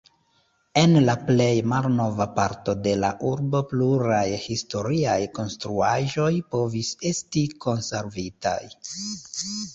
En la plej malnova parto de la urbo pluraj historiaj konstruaĵoj povis esti konservitaj.